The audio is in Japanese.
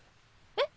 えっ？